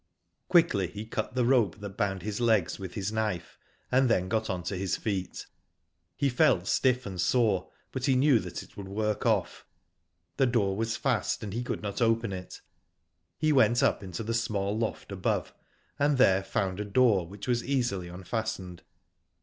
Quickly he cut the rope that bound his legs with his knife, and then got on to his feet. He felt stiff and sore, but he knew that would work off. The door was fast and he could not open it. He went up into the small loft above, and there found a door, which was easily unfastened.